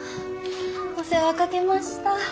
お世話かけました。